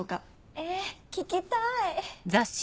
え聞きたい！